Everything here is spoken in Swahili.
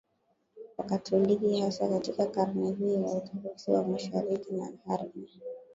Wakatoliki hasa katika karne V Waorthodoksi wa Mashariki na karne